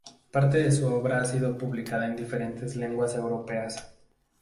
Parte de su obra ha sido publicada en diferentes lenguas europeas.